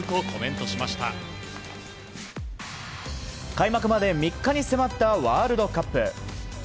開幕まで３日に迫ったワールドカップ。